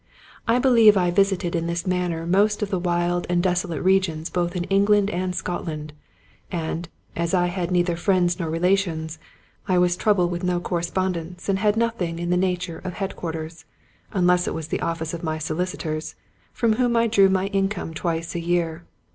I believe I visited in this manner most of the wild and desolate regions both in England and Scot land; and, as I had neither friends nor relations, I was troubled with no correspondence, and had nothing in the nature of headquarters, unless it was the office of my so licitors, from whom I drew my income twice a year.